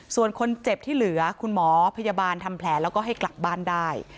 ส่วนคนเจ็บที่เหลือคุณหมอพยาบาลทำแผลแล้วก็ให้กลับบ้านได้